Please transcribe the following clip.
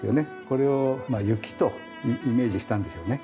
これを雪とイメージしたんでしょうね。